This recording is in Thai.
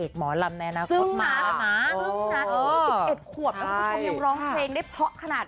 ใช่แล้วค่ะ